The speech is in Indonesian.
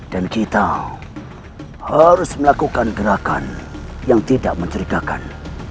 dan kita harus melakukan gerakan yang tidak menceritakan